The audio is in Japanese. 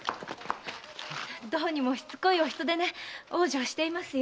どうにもしつこいお人でね往生していますよ。